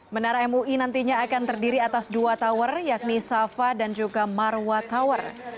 menara mui nantinya akan terdiri atas dua tower yakni safa dan juga marwa tower